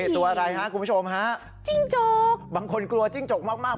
ตัวอะไรฮะคุณผู้ชมฮะจิ้งจกบางคนกลัวจิ้งจกมาก